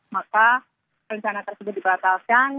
maka rencana tersebut dibatalkan